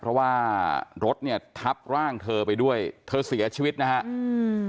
เพราะว่ารถเนี่ยทับร่างเธอไปด้วยเธอเสียชีวิตนะฮะอืม